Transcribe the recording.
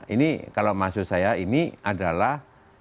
ini kalau maksud saya ini adalah